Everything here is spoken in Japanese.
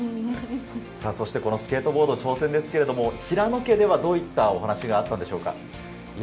スケートボード挑戦ですが、平野家ではどういったお話があったのでしょうか？